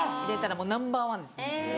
もうナンバーワンです。